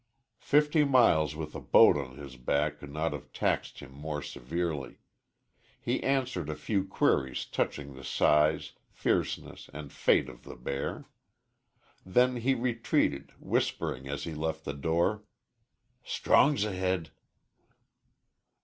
Fifty miles with a boat on his back could not have taxed him more severely. He answered a few queries touching the size, fierceness, and fate of the bear. Then he retreated, whispering as he left the door, "Strong's ahead."